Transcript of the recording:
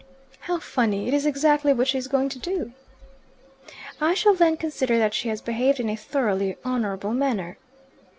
"How funny! It is exactly what she is going to do." "I shall then consider that she has behaved in a thoroughly honourable manner."